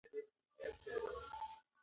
ملا یو تت غږ اوري.